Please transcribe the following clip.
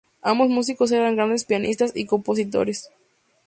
Ambos músicos eran grandes pianistas y compositores.